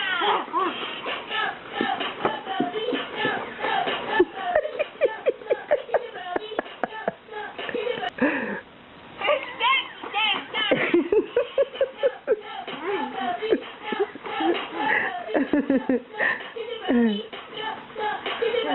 โอ้โฮโอ้โฮ